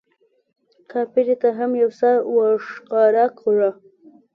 کاپري ته هم یو سر ورښکاره کړه.